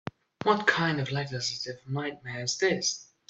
What kind of legislative nightmare is this?